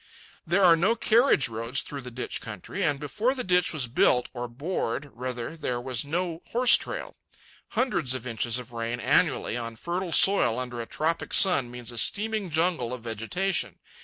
There are no carriage roads through the ditch country, and before the ditch was built, or bored, rather, there was no horse trail. Hundreds of inches of rain annually, on fertile soil, under a tropic sun, means a steaming jungle of vegetation.